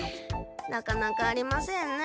なかなかありませんね。